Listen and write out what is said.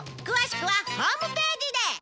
詳しくはホームページで！